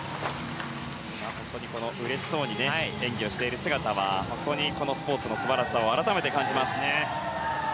本当にうれしそうに演技をしている姿は本当にこのスポーツの素晴らしさを改めて感じますね。